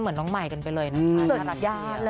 สัญญาณเลยนะจ๊ะ